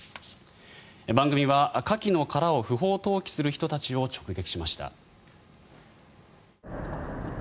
番組はカキの殻を不法投棄する人たちを直撃しました。